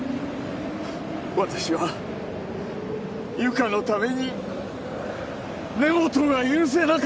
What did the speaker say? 私はゆかのために根本が許せなかった！